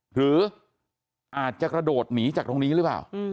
หรืออาจจะกระโดดหนีจากตรงนี้หรือเปล่า